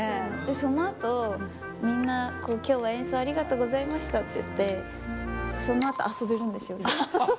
そのあと、みんな、きょうは演奏ありがとうございましたって言って、そのあと遊べるんですよ。